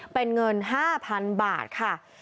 เป็นเงิน๕๐๐๐บาทค่ะ